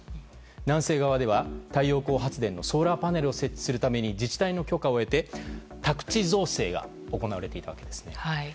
南西側では太陽光発電のソーラーパネルを設置するために自治体の許可を得て宅地造成が行われていたわけですね。